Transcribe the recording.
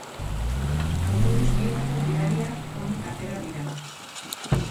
Autobus bietako gidariak onik atera dira.